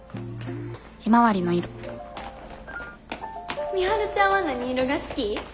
ひまわりの色美晴ちゃんは何色が好き？